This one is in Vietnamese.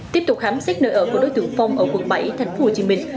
tiếp tục khám xét nơi ở của đối tượng phong ở quận bảy thành phố hồ chí minh